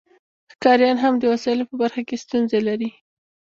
ښکاریان هم د وسایلو په برخه کې ستونزې لري